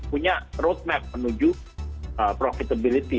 punya roadmap menuju profitability